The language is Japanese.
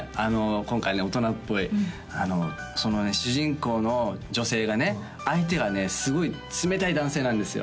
今回ね大人っぽいその主人公の女性がね相手がねすごい冷たい男性なんですよ